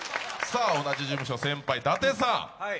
同じ事務所先輩、伊達さん！